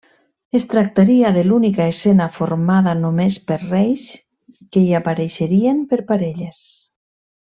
Es tractaria de l'única escena formada només per reis, que hi apareixerien per parelles.